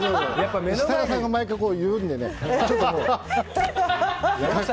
設楽さんが毎回言うのでね。